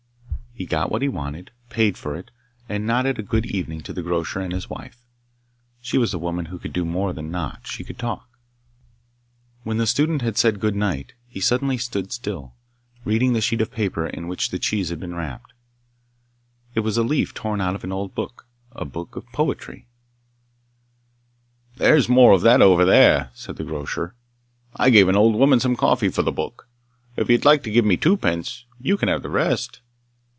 He got what he wanted, paid for it, and nodded a good evening to the grocer and his wife (she was a woman who could do more than nod; she could talk). When the student had said good night he suddenly stood still, reading the sheet of paper in which the cheese had been wrapped. It was a leaf torn out of an old book a book of poetry 'There's more of that over there!' said the grocer 'I gave an old woman some coffee for the book. If you like to give me twopence you can have the rest.